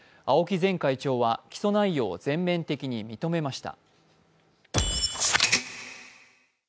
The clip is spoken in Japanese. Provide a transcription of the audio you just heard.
前会長は起訴内容を全面的に認めました。